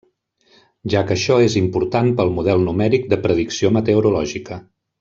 Ja que això és important pel model numèric de predicció meteorològica.